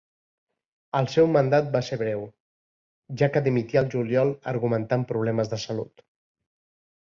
El seu mandat va ser breu, ja que dimití al juliol argumentant problemes de salut.